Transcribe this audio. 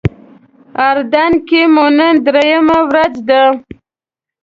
اردن کې مو نن درېیمه ورځ ده.